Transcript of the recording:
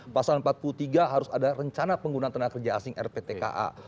pasal empat puluh tiga harus ada rencana penggunaan tenaga kerja asing rptka